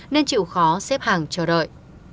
nên chịu khó xếp hàng chờ đợi